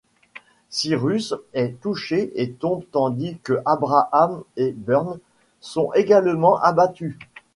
Cyrus est touché et tombe tandis que Abraham et Burns sont également abattue.